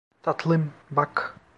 Tatlım, bak.